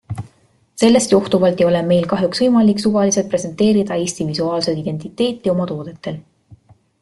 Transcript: Sellest johtuvalt ei ole meil kahjuks võimalik suvaliselt presenteerida Eesti visuaalset identiteeti oma toodetel.